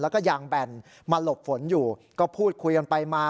แล้วก็ยางแบนมาหลบฝนอยู่ก็พูดคุยกันไปมา